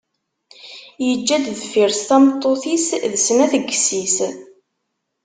Yeǧǧa-d deffir-s tameṭṭut-is d snat n yessi-s.